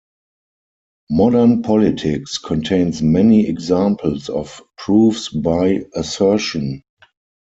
Modern politics contains many examples of proofs by assertion.